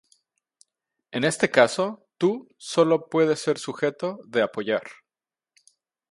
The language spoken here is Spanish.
En este caso, "tú" solo puede ser sujeto de "apoyar".